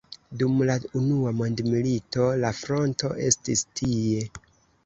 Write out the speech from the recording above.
Dum la unua mondmilito la fronto estis tie.